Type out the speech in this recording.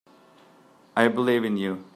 I believe in you.